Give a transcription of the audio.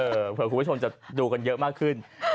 เผื่อคุณผู้ชมจะดูกันเยอะมากขึ้น